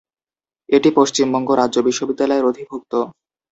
এটি পশ্চিমবঙ্গ রাজ্য বিশ্ববিদ্যালয়ের অধিভুক্ত।